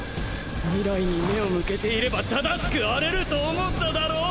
未来に目を向けていれば正しくあれると思っただろう！？